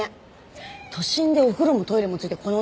都心でお風呂もトイレも付いてこの値段って。